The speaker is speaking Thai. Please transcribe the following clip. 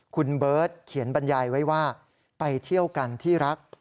คุณเบิร์ตเขียนบรรยายไว้ว่าไปเที่ยวกันที่รัก